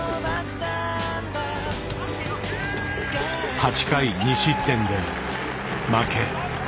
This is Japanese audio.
８回２失点で負け。